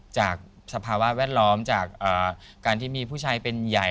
จากสภาวะแวดล้อมจากการที่มีผู้ชายเป็นใหญ่